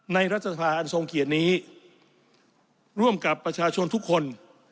รัฐสภาอันทรงเกียรตินี้ร่วมกับประชาชนทุกคน